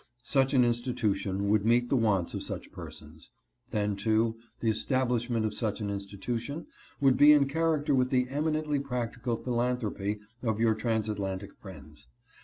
Such an institution would meet the wants of such persons. Then, too, the establishment of such an institution would be in character with the eminently practical philanthropy of your transatlantic friends.